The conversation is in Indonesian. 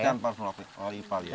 tanpa harus melalui ipal iya